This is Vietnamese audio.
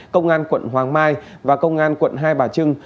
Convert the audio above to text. công an quận hoàng mai và công an quận hai bà trưng